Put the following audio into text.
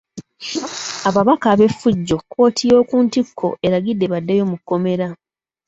Ababaka ab'effujjo kkooti y'oku ntikko eragidde baddeyo mu kkomera .